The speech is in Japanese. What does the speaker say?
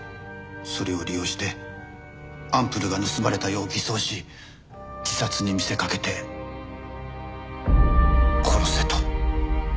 それを利用してアンプルが盗まれたよう偽装し自殺に見せかけて殺せと。